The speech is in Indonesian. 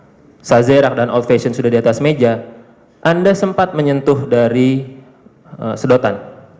ketika sazerac dan old fashion sudah di atas meja anda sempat menyentuh dari sedotan